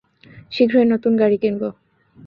শীঘ্রই নতুন গাড়ি কিনব।